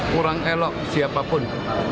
kurang elok siapapun